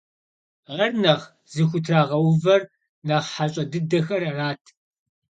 Ар нэхъ зыхутрагъэувэр нэхъ хьэщӀэ дыдэхэр арат.